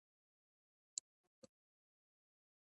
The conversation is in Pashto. تودوخه د افغانانو د تفریح یوه وسیله ده.